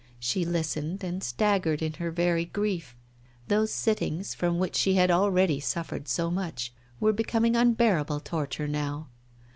She listened, and staggered in her very grief. Those sittings, from which she had already suffered so much, were becoming unbearable torture now.